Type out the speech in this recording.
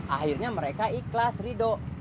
akhirnya mereka ikhlas ridho